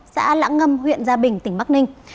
xã lãng ngâm huyện gia bình tỉnh bắc ninh